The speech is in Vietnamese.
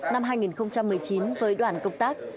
năm hai nghìn một mươi chín với đoàn công tác